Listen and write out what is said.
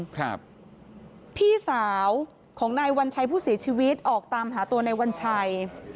ครับพี่สาวของนายวัญชัยผู้เสียชีวิตออกตามหาตัวในวันชัย